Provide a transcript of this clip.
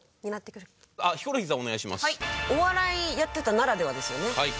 お笑いやってたならではですよね。